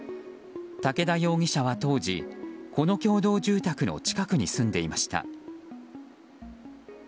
竹田容疑者は当時この共同住宅の近くに住んでいました。